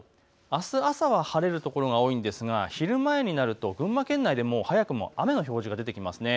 あす朝は晴れる所が多いんですが昼前になると群馬県内で早くも雨の表示が出てきます。